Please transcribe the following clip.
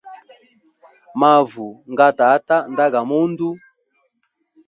Mavu nga tata nda ga mundu.